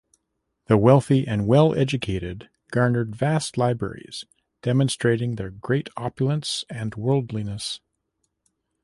The wealthy and well educated garnered vast libraries, demonstrating their great opulence and worldliness.